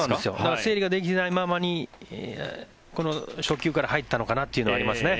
整理ができないままに初球から入ったのかなというのはありますね。